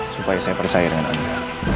supaya saya percaya dengan anda